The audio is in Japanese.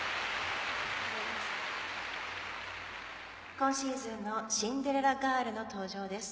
今シーズンのシンデレラガールの登場です。